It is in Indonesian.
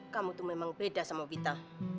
kamu tuh memang beda sama vita